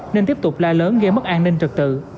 nên tiếp tục la lớn gây mất an ninh trật tự